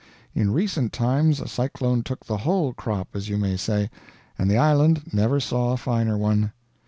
In recent times a cyclone took the whole crop, as you may say; and the island never saw a finer one.